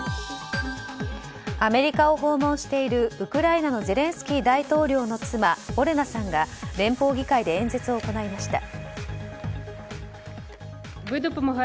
アメリカを訪問しているウクライナのゼレンスキー大統領の妻オレナさんが連邦議会で演説を行いました。